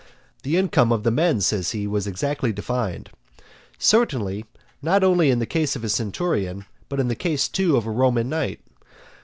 The income of the men, says he, was exactly defined. Certainly, not only in the case of a centurion, but in the case, too, of a Roman knight.